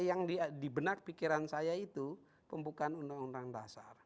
yang dibenak pikiran saya itu pembukaan undang undang dasar